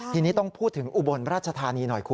ทีนี้ต้องพูดถึงอุบลราชธานีหน่อยคุณ